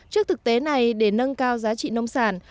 trước thực tế này để nâng cao giá trị nông sản